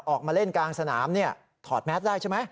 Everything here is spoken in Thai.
ออกมาเล่นกลางสนามถอดแมสได้ใช่ไหม